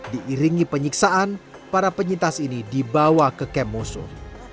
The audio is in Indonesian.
diiringi penyiksaan para penyintas ini dibawa ke kem musuh